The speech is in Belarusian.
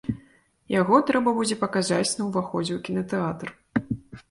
Яго трэба будзе паказаць на ўваходзе ў кінатэатр.